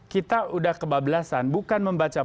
kita udah kebablasan bukan membaca